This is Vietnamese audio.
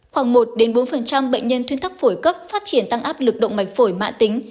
khoảng một bốn bệnh nhân thuyên tắc phổi cấp phát triển tăng áp lực động mạch phổi mã tính